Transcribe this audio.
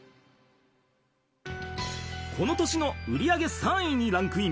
［この年の売り上げ３位にランクイン］